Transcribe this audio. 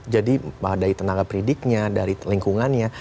jadi dari tenaga pendidiknya dari lingkungannya